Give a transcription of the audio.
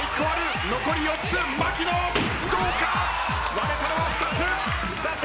割れたのは２つ！